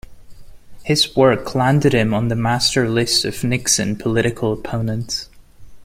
His work landed him on the master list of Nixon political opponents.